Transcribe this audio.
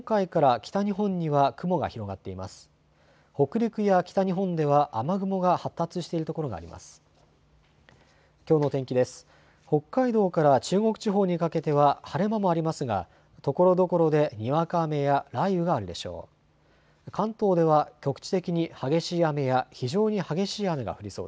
北海道から中国地方にかけては晴れ間もありますがところどころでにわか雨や雷雨があるでしょう。